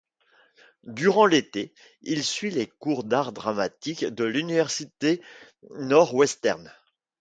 Durant l'été, il suit les cours d'art dramatique de l'Université Northwestern.